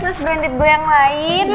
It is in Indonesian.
terus branded gue yang lain